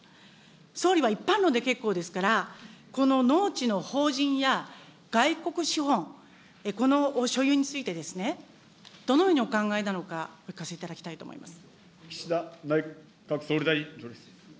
総理は一般論で結構ですから、この農地の法人や外国資本、この所有についてですね、どのようにお考えなのか、お聞かせいただきたいと思います。